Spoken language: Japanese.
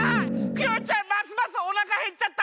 クヨちゃんますますおなかへっちゃった！